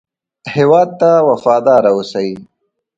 هېواد ته وفاداره اوسئ